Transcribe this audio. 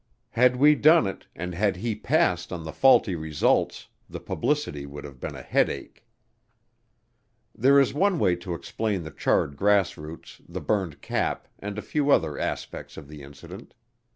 Had we done it and had he passed on the faulty results, the publicity would have been a headache. There is one way to explain the charred grass roots, the burned cap, and a few other aspects of the incident.